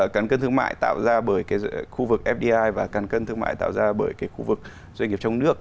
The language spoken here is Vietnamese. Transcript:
cán cân thương mại tạo ra bởi khu vực fdi và cán cân thương mại tạo ra bởi khu vực doanh nghiệp trong nước